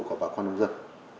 của bà con nông dân